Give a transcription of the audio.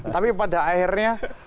tapi pada akhirnya